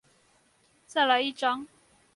再來一張